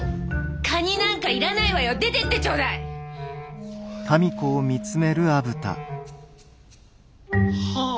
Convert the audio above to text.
カニなんかいらないわよ出てってちょうだい！はあ